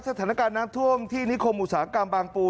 สถานการณ์น้ำท่วมที่นิคมอุตสาหกรรมบางปู